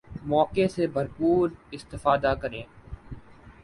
موقع سے بھرپور استفادہ کریں